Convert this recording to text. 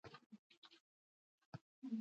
نشه په ټولنه کې د سړي اعتبار کموي.